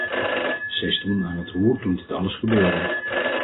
Zij stonden aan het roer toen dit alles gebeurde.